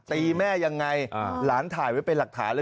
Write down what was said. แม่ยังไงหลานถ่ายไว้เป็นหลักฐานเลย